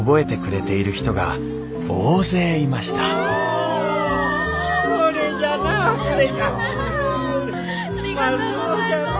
ありがとうございます。